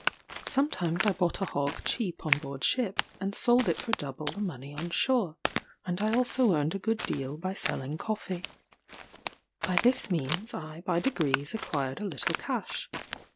Sometimes I bought a hog cheap on board ship, and sold it for double the money on shore; and I also earned a good deal by selling coffee. By this means I by degrees acquired a little cash.